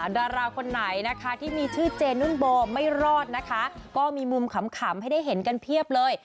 ดาราคนไหนนะคะที่มีชื่อเจนุ่นโบไม่รอดนะคะก็มีมุมขำให้ได้เห็นกันเพียบเลย